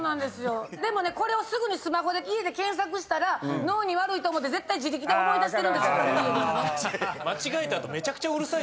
でもねこれをすぐにスマホで家で検索したら脳に悪いと思って絶対自力で思い出してるんです。